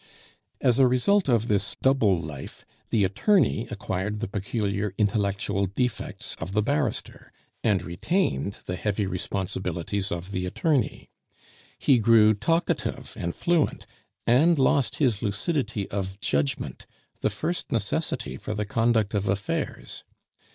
As a result of this double life, the attorney acquired the peculiar intellectual defects of the barrister, and retained the heavy responsibilities of the attorney. He grew talkative and fluent, and lost his lucidity of judgment, the first necessity for the conduct of affairs.